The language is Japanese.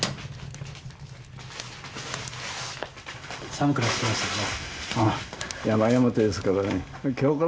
寒くなってきましたね。